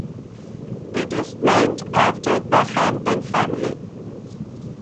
It is named after the Hampden family.